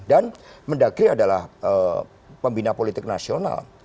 dan mendagri adalah pembina politik nasional